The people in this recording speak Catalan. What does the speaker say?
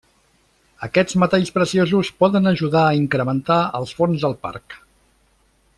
Aquests metalls preciosos poden ajudar a incrementar els fons del parc.